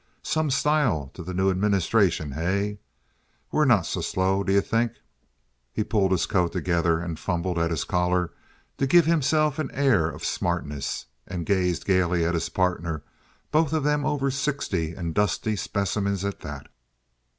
"Some style to the new administration, hey? We're not so slow, do you think?" He pulled his coat together and fumbled at his collar to give himself an air of smartness, and gazed gaily at his partner, both of them over sixty and dusty specimens, at that.